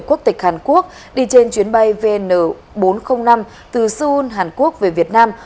quốc tịch hàn quốc đi trên chuyến bay vn bốn trăm linh năm từ seoul hàn quốc về việt nam